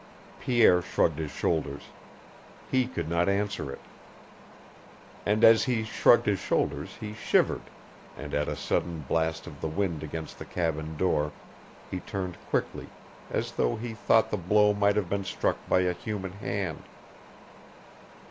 Pierre shrugged his shoulders. He could not answer it. And as he shrugged his shoulders he shivered, and at a sudden blast of the wind against the cabin door he turned quickly, as though he thought the blow might have been struck by a human hand.